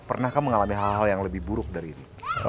pernahkah mengalami hal hal yang lebih buruk dari ini